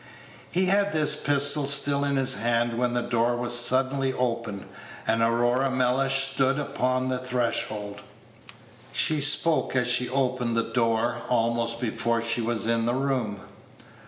He had this pistol still in his hand when the door was suddenly opened, and Aurora Mellish stood upon the threshold. She spoke as she opened the door, almost before she was in the room.